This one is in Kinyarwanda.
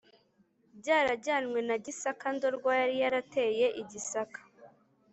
bwarajyanywe na gisaka (ndorwa yari yarateye i gisaka